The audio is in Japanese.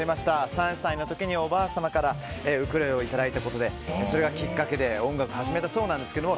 ３歳の時におばあさまからウクレレをいただいたことでそれがきっかけで音楽を始めたそうなんですけれども。